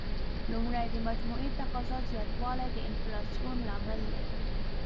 لومړی: د مجموعي تقاضا زیاتوالی د انفلاسیون لامل دی.